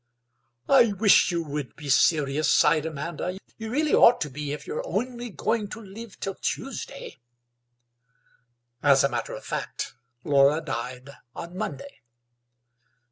"I wish you would be serious," sighed Amanda; "you really ought to be if you're only going to live till Tuesday." As a matter of fact Laura died on Monday.